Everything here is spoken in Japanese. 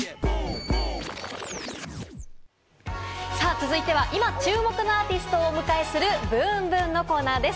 続いては、今注目のアーティストをお迎えする、ｂｏｏｍｂｏｏｍのコーナーです。